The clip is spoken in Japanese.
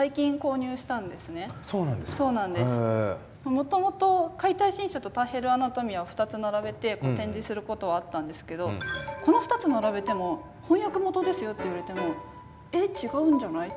もともと「解体新書」と「ターヘル・アナトミア」を２つ並べて展示することはあったんですけどこの２つ並べても翻訳元ですよって言われても「えっ違うんじゃない？」って。